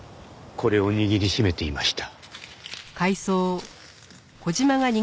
これを握り締めていました。